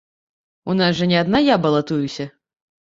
У нас жа не адна я балатуюся.